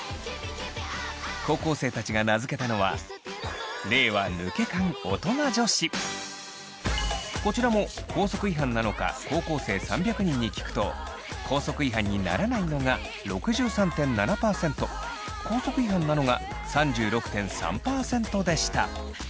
高校生たちが名付けたのはこちらも校則違反なのか高校生３００人に聞くと校則違反にならないのが６３．７％校則違反なのが３６．３％でした。